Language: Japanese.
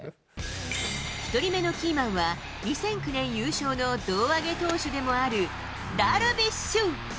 １人目のキーマンは、２００９年優勝の胴上げ投手でもあるダルビッシュ。